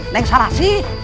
neng salah sih